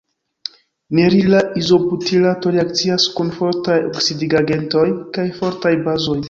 Nerila izobutirato reakcias kun fortaj oksidigagentoj kaj fortaj bazoj.